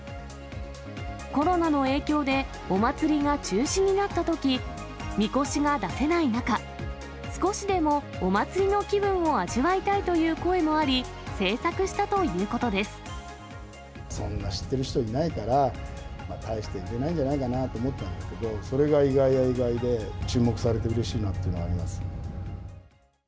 コロナの影響でお祭りが中止になったとき、みこしが出せない中、少しでもお祭りの気分を味わいたいという声もあり、そんなに知ってる人いないから、たいして売れないんじゃないかなと思ってたんですけど、それが意外や意外で、注目されてうれしいなっていうのはあります。